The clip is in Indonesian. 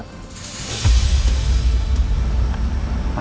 perguruan sawit ini pak